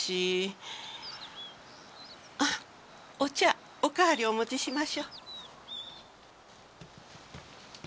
あっお茶おかわりお持ちしましょう。